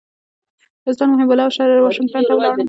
استاد محب الله سره واشنګټن ته ولاړم.